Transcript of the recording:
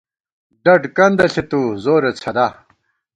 ڈَڈ کندہ ݪِتُو زورے څھدا